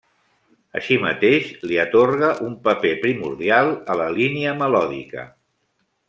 Així mateix li atorga un paper primordial a la línia melòdica.